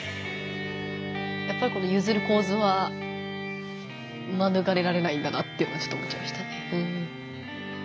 やっぱりこのゆずる構図はまぬがれられないんだなってちょっと思っちゃいましたね。